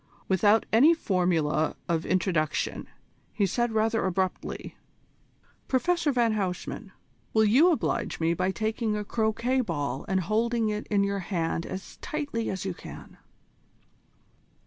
Without any formula of introduction, he said rather abruptly: "Professor van Huysman, will you oblige me by taking a croquet ball and holding it in your hand as tightly as you can?"